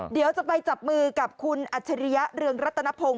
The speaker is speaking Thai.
เดี๋ยวจะไปจับมือกับคุณอัจฉริยะเรืองรัตนพงศ